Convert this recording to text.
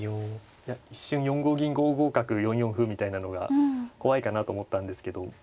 いや一瞬４五銀５五角４四歩みたいなのが怖いかなと思ったんですけど